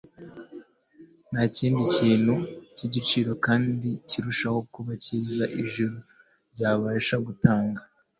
Nta kindi kintu cy'igiciro kandi kirushaho kuba cyiza ijuru ryabasha gutanga.